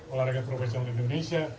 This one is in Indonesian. olahraga profesional di indonesia